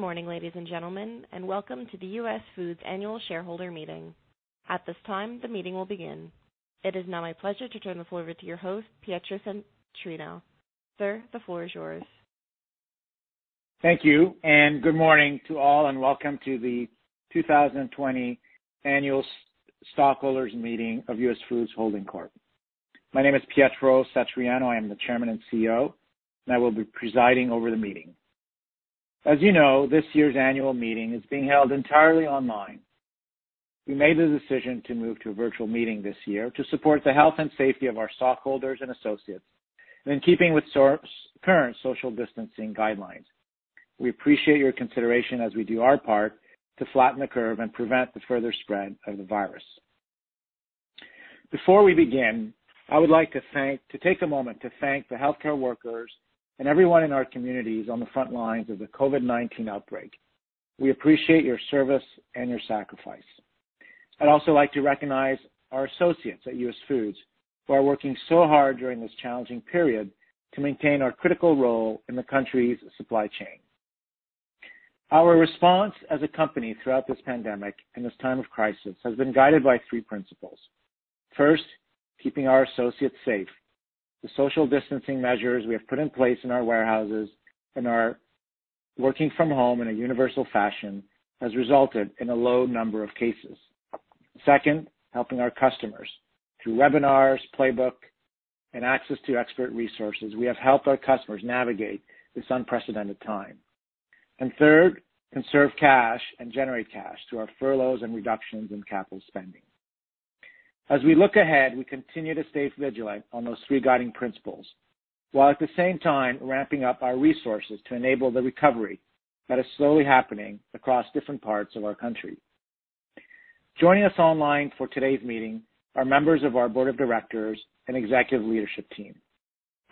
Good morning ladies and gentlemen and welcome to the US Foods annual shareholder meeting. At this time, the meeting will begin. It is now my pleasure to turn the floor over to your host, Pietro Satriano. Sir, the floor is yours. Thank you. Good morning to all, welcome to the 2020 annual stockholders meeting of US Foods Holding Corp. My name is Pietro Satriano. I am the Chairman and CEO and I will be presiding over the meeting. As you know, this year's annual meeting is being held entirely online. We made the decision to move to a virtual meeting this year to support the health and safety of our stockholders and associates and in keeping with current social distancing guidelines. We appreciate your consideration as we do our part to flatten the curve and prevent the further spread of the virus. Before we begin, to take a moment to thank the healthcare workers and everyone in our communities on the front lines of the COVID-19 outbreak. We appreciate your service and your sacrifice. I'd also like to recognize our associates at US Foods who are working so hard during this challenging period to maintain our critical role in the country's supply chain. Our response as a company throughout this pandemic and this time of crisis has been guided by three principles. First keeping our associates safe. The social distancing measures we have put in place in our warehouses and are working from home in a universal fashion has resulted in a low number of cases. Second, helping our customers. Through webinars, playbook, and access to expert resources, we have helped our customers navigate this unprecedented time. Third, conserve cash and generate cash through our furloughs and reductions in capital spending. As we look ahead, we continue to stay vigilant on those three guiding principles, while at the same time ramping up our resources to enable the recovery that is slowly happening across different parts of our country. Joining us online for today's meeting are members of our board of directors and executive leadership team.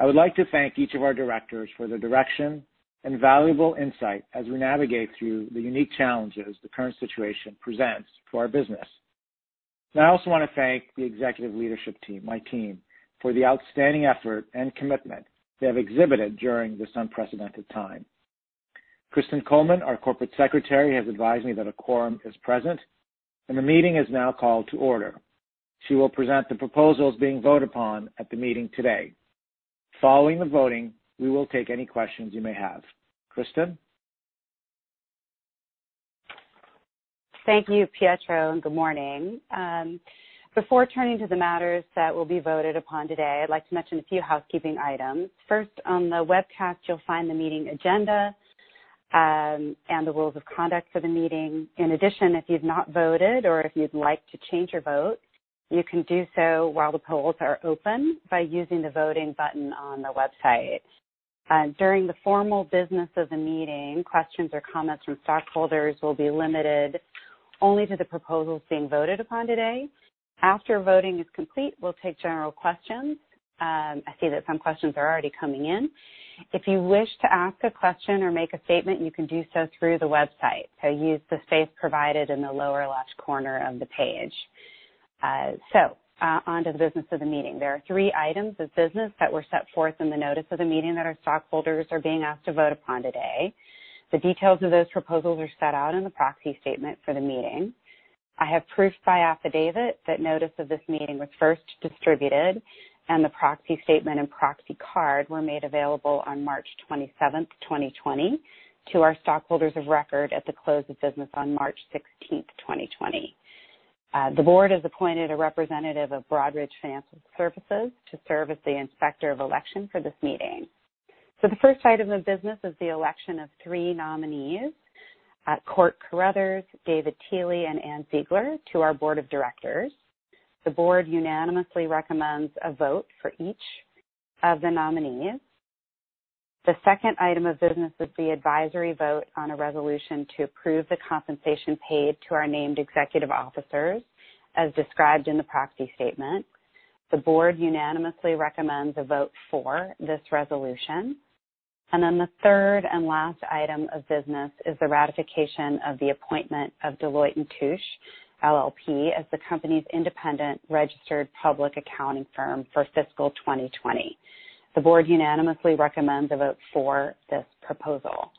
I would like to thank each of our directors for their direction and valuable insight as we navigate through the unique challenges the current situation presents to our business. I also want to thank the executive leadership team, my team for the outstanding effort and commitment they have exhibited during this unprecedented time. Kristin Coleman our corporate secretary has advised me that a quorum is present and the meeting is now called to order. She will present the proposals being voted upon at the meeting today. Following the voting, we will take any questions you may have. Kristin? Thank you, Pietro. Good morning. Before turning to the matters that will be voted upon today, I'd like to mention a few housekeeping items. First on the webcast you'll find the meeting agenda and the rules of conduct for the meeting. In addition if you've not voted or if you'd like to change your vote, you can do so while the polls are open by using the voting button on the website. During the formal business of the meeting, questions or comments from stockholders will be limited only to the proposals being voted upon today. After voting is complete, we'll take general questions. I see that some questions are already coming in. If you wish to ask a question or make a statement, you can do so through the website. Use the space provided in the lower left corner of the page. On to the business of the meeting. There are three items of business that were set forth in the notice of the meeting that our stockholders are being asked to vote upon today. The details of those proposals are set out in the proxy statement for the meeting. I have proof by affidavit that notice of this meeting was first distributed and the proxy statement and proxy card were made available on March 27th, 2020, to our stockholders of record at the close of business on March 16th, 2020. The board has appointed a representative of Broadridge Financial Solutions to serve as the Inspector of Election for this meeting. The first item of business is the election of three nominees, Court Carruthers, David Tehle, and Ann Ziegler to our board of directors. The board unanimously recommends a vote for each of the nominees. The second item of business is the advisory vote on a resolution to approve the compensation paid to our named executive officers, as described in the proxy statement. The board unanimously recommends a vote for this resolution. Then the third and last item of business is the ratification of the appointment of Deloitte & Touche LLP as the company's independent registered public accounting firm for fiscal 2020. The board unanimously recommends a vote for this proposal.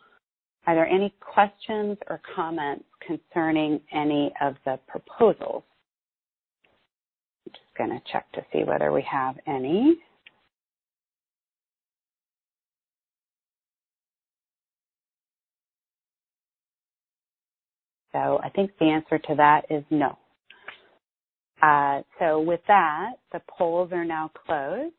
Are there any questions or comments concerning any of the proposals? I'm just gonna check to see whether we have any. I think the answer to that is no. With that, the polls are now closed.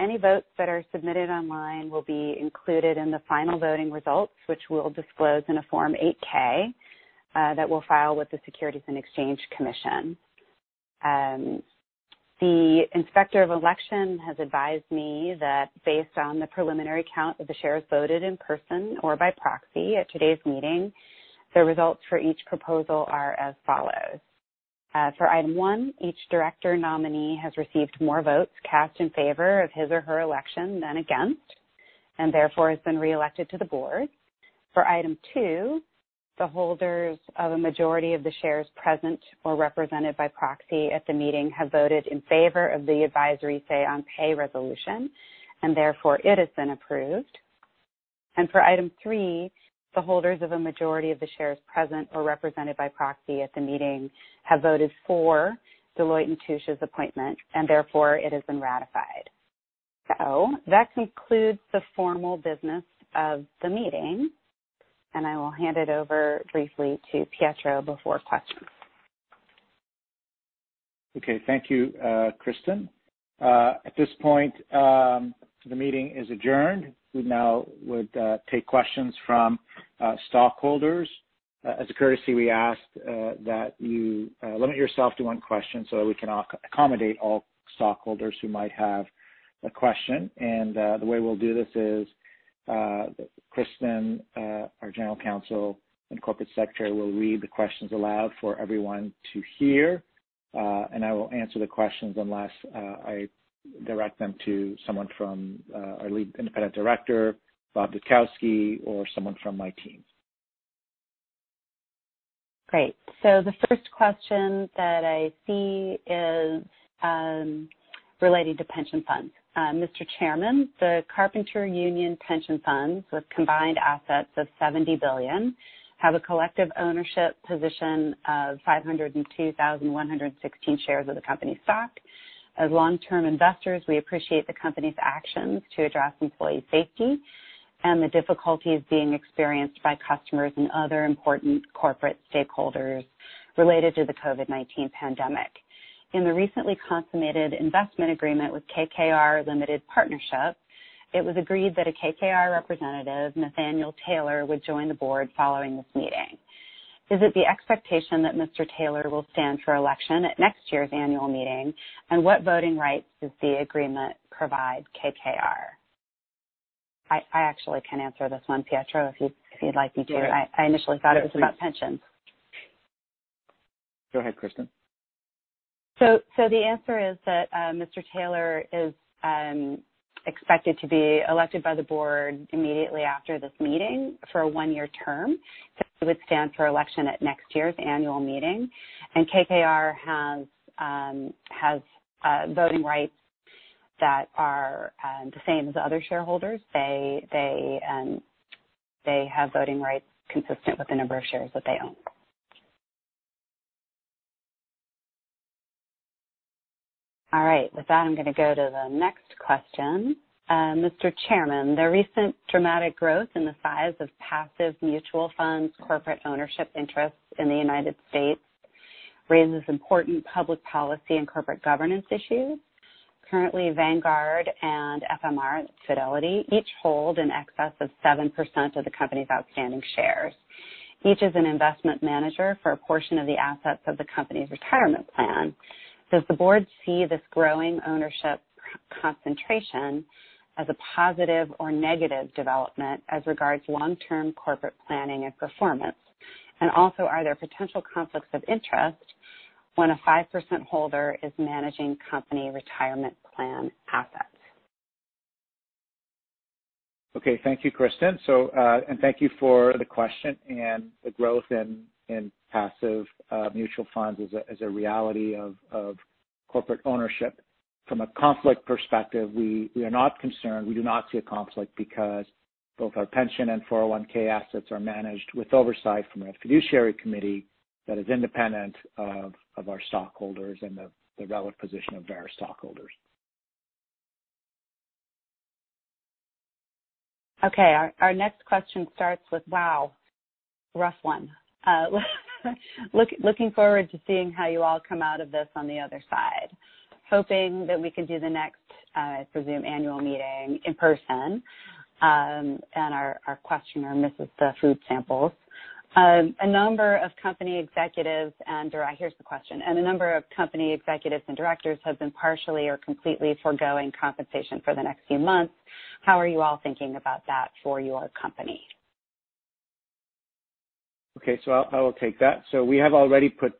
Any votes that are submitted online will be included in the final voting results, which we'll disclose in a Form 8-K that we'll file with the Securities and Exchange Commission. The Inspector of Election has advised me that based on the preliminary count of the shares voted in person or by proxy at today's meeting, the results for each proposal are as follows. For item one each director nominee has received more votes cast in favor of his or her election than against and therefore has been reelected to the board. For item two the holders of a majority of the shares present or represented by proxy at the meeting, have voted in favor of the advisory Say-on-Pay resolution and therefore it has been approved. For item three, the holders of a majority of the shares present or represented by proxy at the meeting, have voted for Deloitte & Touche's appointment, and therefore it has been ratified. That concludes the formal business of the meeting and I will hand it over briefly to Pietro before questions. Okay, thank you Kristin. At this point, the meeting is adjourned. We now would take questions from stockholders. As a courtesy, we ask that you limit yourself to one question so that we can accommodate all stockholders who might have a question. The way we'll do this is Kristin, our General Counsel and Corporate Secretary will read the questions aloud for everyone to hear. I will answer the questions unless I direct them to someone from our Lead Independent Director, Bob Dutkowsky or someone from my team. Great. The first question that I see is relating to pension funds. "Mr. Chairman, the Carpenter Union pension funds, with combined assets of $70 billion, have a collective ownership position of 502,116 shares of the company's stock. As long-term investors, we appreciate the company's actions to address employee safety and the difficulties being experienced by customers and other important corporate stakeholders related to the COVID-19 pandemic. In the recently consummated investment agreement with KKR Limited Partnership, it was agreed that a KKR representative, Nathaniel Taylor would join the board following this meeting. Is it the expectation that Mr. Taylor will stand for election at next year's annual meeting? What voting rights does the agreement provide KKR?" I, I actually can answer this one, Pietro, if you, if you'd like me to. Yes. I initially thought it was about pensions. Go ahead Kristin. The answer is that Mr. Taylor is expected to be elected by the board immediately after this meeting for a one-year term. He would stand for election at next year's annual meeting. KKR has voting rights that are the same as other shareholders. They, they have voting rights consistent with the number of shares that they own. All right, with that, I'm gonna go to the next question. "Mr. Chairman, the recent dramatic growth in the size of passive mutual funds, corporate ownership interests in the United States raises important public policy and corporate governance issues. Currently Vanguard and FMR, Fidelity, each hold in excess of 7% of the company's outstanding shares. Each is an investment manager for a portion of the assets of the company's retirement plan. Does the board see this growing ownership concentration as a positive or negative development as regards long-term corporate planning and performance? Also are there potential conflicts of interest when a 5% holder is managing company retirement plan assets? Okay. Thank you Kristin. Thank you for the question. The growth in passive mutual funds is a reality of corporate ownership. From a conflict perspective, we are not concerned. We do not see a conflict, because both our pension and 401 assets are managed with oversight from our fiduciary committee that is independent of our stockholders and the relative position of our stockholders. Okay, our next question starts with, "Wow, rough one. Looking forward to seeing how you all come out of this on the other side. Hoping that we can do the next, I presume, annual meeting in person." Our questioner misses the food samples. "A number of company executives and directors have been partially or completely foregoing compensation for the next few months. How are you all thinking about that for your company? Okay, I will take that. We have already put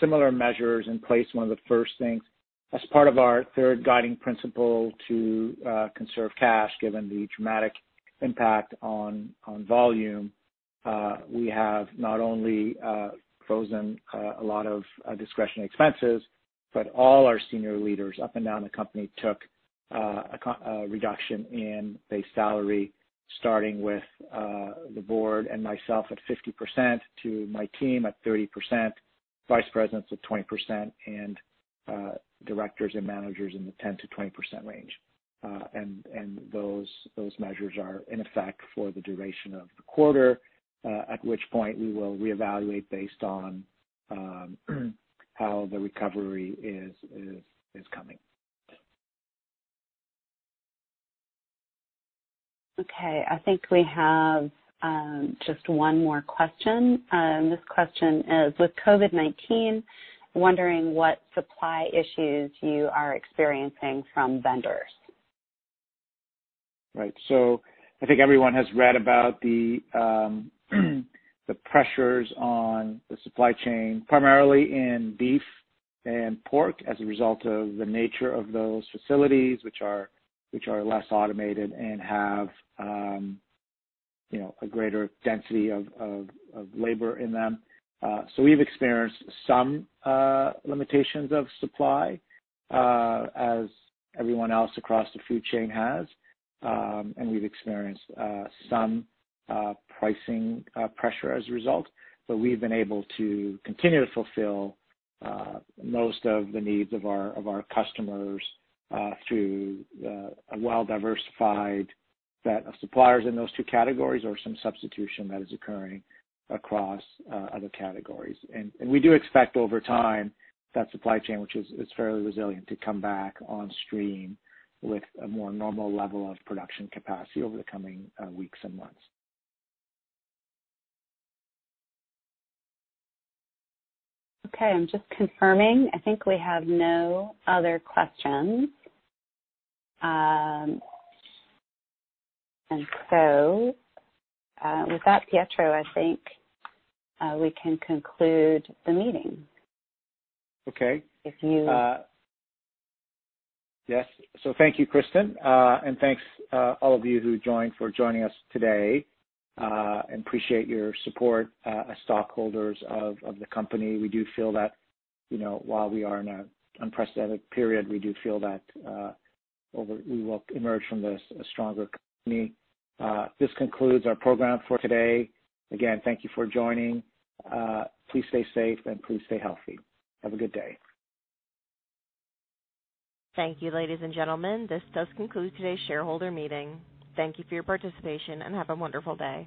similar measures in place, one of the first things, as part of our third guiding principle to conserve cash, given the dramatic impact on, on volume. We have not only frozen a lot of discretionary expenses, but all our senior leaders up and down the company took a reduction in base salary, starting with the board and myself at 50%, to my team at 30%, vice presidents at 20%, and directors and managers in the 10%-20% range. And those measures are in effect for the duration of the quarter, at which point we will reevaluate based on how the recovery is, is, is coming. Okay, I think we have just one more question. This question is: "With COVID-19, wondering what supply issues you are experiencing from vendors? Right. I think everyone has read about the pressures on the supply chain, primarily in beef and pork, as a result of the nature of those facilities, which are, which are less automated and have, you know, a greater density of, of, of labor in them. We've experienced some limitations of supply, as everyone else across the food chain has. And we've experienced some pricing pressure as a result. We've been able to continue to fulfill most of the needs of our, of our customers, through a well-diversified set of suppliers in those two categories or some substitution that is occurring across other categories. We do expect over time, that supply chain, which is fairly resilient, to come back on stream with a more normal level of production capacity over the coming weeks and months. Okay, I'm just confirming. I think we have no other questions. With that Pietro, I think, we can conclude the meeting. Okay. If you- Yes. Thank you Kristin, and thanks all of you who joined, for joining us today. Appreciate your support, as stockholders of the company. We do feel that, you know, while we are in an unprecedented period, we do feel that we will emerge from this a stronger company. This concludes our program for today. Again, thank you for joining. Please stay safe and please stay healthy. Have a good day. Thank you, ladies and gentlemen, this does conclude today's shareholder meeting. Thank you for your participation, and have a wonderful day.